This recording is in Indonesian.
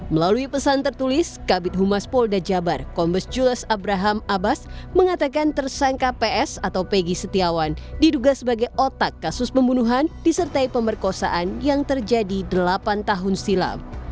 melalui pesan tertulis kabit humas polda jabar kombes jules abraham abbas mengatakan tersangka ps atau pegi setiawan diduga sebagai otak kasus pembunuhan disertai pemerkosaan yang terjadi delapan tahun silam